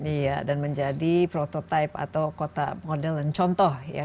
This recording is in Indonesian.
iya dan menjadi prototipe atau kota model dan contoh ya